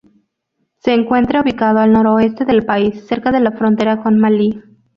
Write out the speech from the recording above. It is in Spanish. Se encuentra ubicado al noroeste del país, cerca de la frontera con Malí.